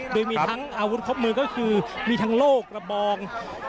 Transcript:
โดยมีทั้งอาวุธครบมือก็คือมีทั้งโลกกระบอง